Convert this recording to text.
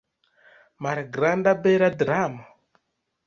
Malgranda bela dramo?